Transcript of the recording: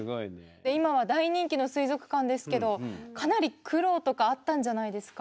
今は大人気の水族館ですけどかなり苦労とかあったんじゃないですか？